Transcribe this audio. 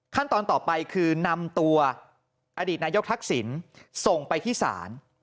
ขั้นตอนต่อไปคือนำตัวอดีตนายกทักษิณส่งไปที่ศาล